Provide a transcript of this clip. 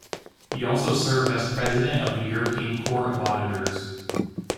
He also served as President of the European Court of Auditors.